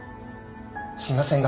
すいません